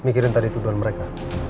mikirin tadi tuduhan mereka